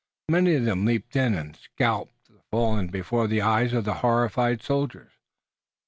Many of them leaped in and scalped the fallen before the eyes of the horrified soldiers.